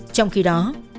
trong khi đó